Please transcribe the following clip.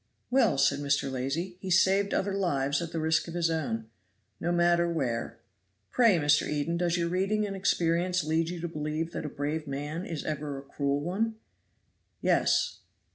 "Well," said Mr. Lacy, "he saved other lives at the risk of his own, no matter where. Pray, Mr. Eden, does your reading and experience lead you to believe that a brave man is ever a cruel one?" "Yes."